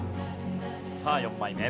さあ４枚目。